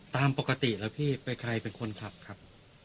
ตามปกติแล้วพี่เป็นใครเป็นคนขับครับ